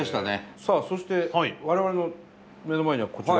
さあそして我々の目の前にはこちら。